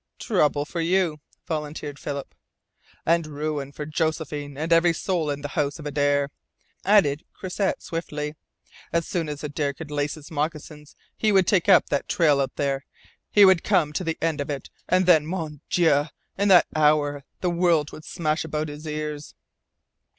"Trouble for you," volunteered Philip, "And ruin for Josephine and every soul in the House of Adare!" added Croisset swiftly. "As soon as Adare could lace his moccasins he would take up that trail out there. He would come to the end of it, and then mon Dieu! in that hour the world would smash about his ears!"